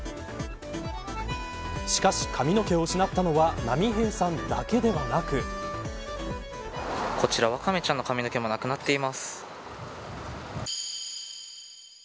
しかし、髪の毛を失ったのは波平さんだけではなくこちら、ワカメちゃんの髪の毛もなくなっています。